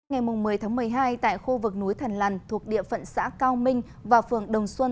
ngày một mươi tháng một mươi hai tại khu vực núi thần lằn thuộc địa phận xã cao minh và phường đồng xuân